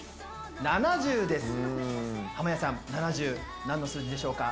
濱家さん「７０」何の数字でしょうか？